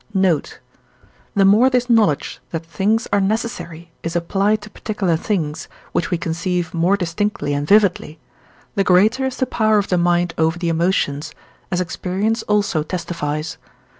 Note. The more this knowledge, that things are necessary, is applied to particular things, which we conceive more distinctly and vividly, the greater is the power of the mind over the emotions, as experience also testifies.